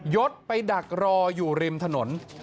ยศไปดักรออยู่ริมถนน